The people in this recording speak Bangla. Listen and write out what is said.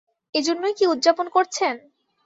এজন্যই কি উদযাপন করছেন?